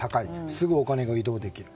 すぐお金が移動できる。